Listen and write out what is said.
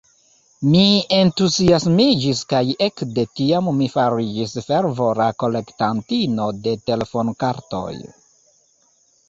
Mi entuziasmiĝis kaj ekde tiam mi fariĝis fervora kolektantino de telefonkartoj.